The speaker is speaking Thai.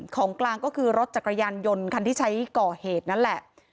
ของกลางก็คือรถจักรยานยนต์คันที่ใช้ก่อเหตุนั่นแหละ